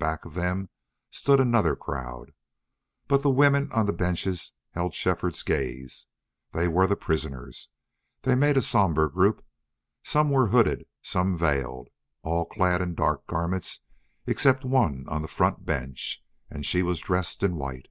Back of them stood another crowd. But the women on the benches held Shefford's gaze. They were the prisoners. They made a somber group. Some were hooded, some veiled, all clad in dark garments except one on the front bench, and she was dressed in white.